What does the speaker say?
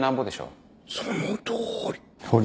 そのとおり。